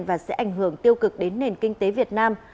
và sẽ ảnh hưởng tiêu cực đến nền kinh tế việt nam